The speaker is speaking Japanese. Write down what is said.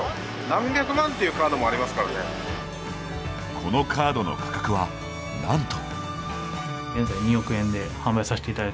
このカードの価格は、なんと。